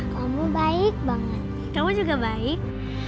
kamu juga baik